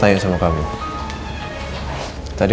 apa yang kamu dengar dari kak mir